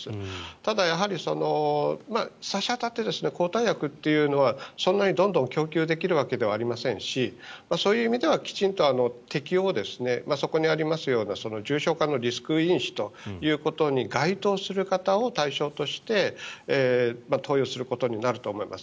ただ、差し当たって抗体薬というのはそんなにどんどん供給できるわけではありませんしそういう意味ではきちんと適用をそこにありますような重症化のリスク因子ということに該当する方を対象として投与することになると思います。